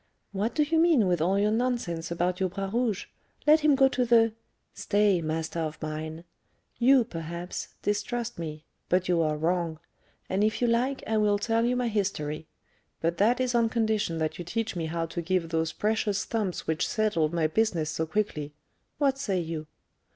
"What do you mean with all your nonsense about your Bras Rouge? Let him go to the " "Stay, master of mine. You, perhaps, distrust me; but you are wrong, and if you like I will tell you my history; but that is on condition that you teach me how to give those precious thumps which settled my business so quickly. What say you?"